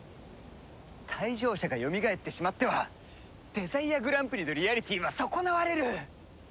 退場者がよみがえってしまってはデザイアグランプリのリアリティーは損なわれる！